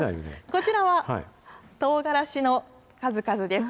こちらはとうがらしの数々です。